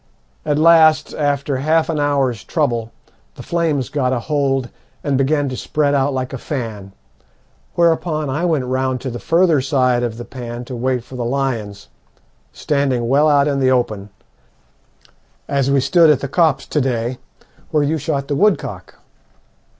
At last, after half an hour's trouble, the flames got a hold, and began to spread out like a fan, whereupon I went round to the further side of the pan to wait for the lions, standing well out in the open, as we stood at the copse to day where you shot the woodcock.